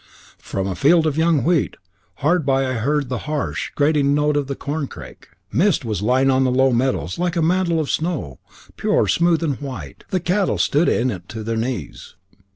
From a field of young wheat hard by I heard the harsh, grating note of the corncrake. Mist was lying on the low meadows like a mantle of snow, pure, smooth, and white; the cattle stood in it to their knees.